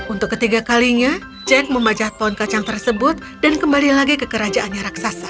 untuk ketiga kalinya jack memajah pohon kacang tersebut dan kembali lagi ke kerajaannya raksasa